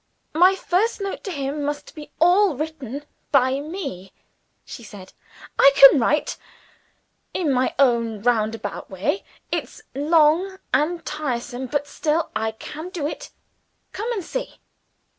"My first note to him must be all written by me," she said. "I can write in my own roundabout way. It's long and tiresome; but still I can do it. Come and see."